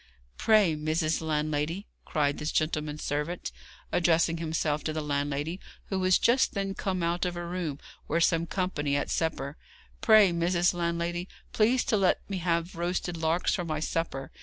'Pray, Mrs. Landlady,' cried this gentleman's servant, addressing himself to the landlady, who just then came out of a room where some company at supper 'pray, Mrs. Landlady, please to let me have roasted larks for my supper.